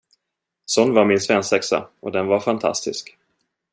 Sån var min svensexa och den var fantastisk.